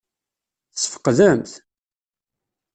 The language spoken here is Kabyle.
Tesfeqdem-t?